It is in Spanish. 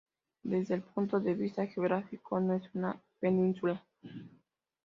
Desde el punto de vista geográfico no es una península.